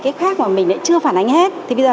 cái khác mà mình lại chưa phản ánh hết thì bây giờ